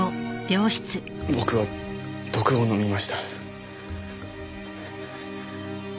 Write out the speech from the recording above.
僕は毒を飲みました。